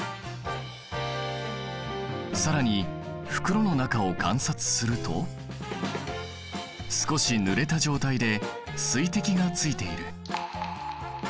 更に袋の中を観察すると少しぬれた状態で水滴がついている。